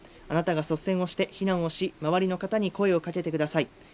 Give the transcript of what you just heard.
あなたが率先をして避難をし、周りの方に声をかけてください。